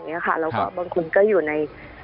บางคนก็อยู่ใน